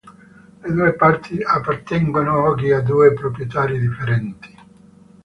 Le due parti appartengono oggi a due proprietari differenti.